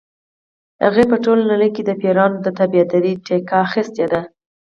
هغې په ټوله دنیا کې د پیریانو د تابعدارۍ ټیکه اخیستې ده.